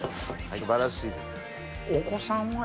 素晴らしいです。